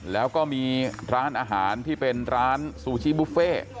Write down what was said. แล้วก็มีร้านอาหารที่เป็นร้านซูชิบุฟเฟ่